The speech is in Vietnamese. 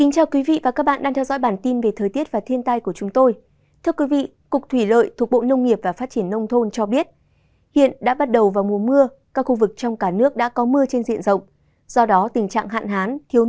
các bạn hãy đăng ký kênh để ủng hộ kênh của chúng tôi nhé